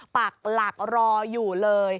ปักหลักรออยู่เลย